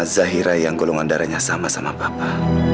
zahira yang golongan darahnya sama sama papa